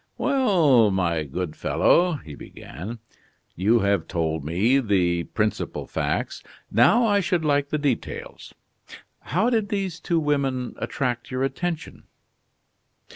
"Well, my good fellow," he began, "you have told me the principal facts, now I should like the details. How did these two women attract your attention?"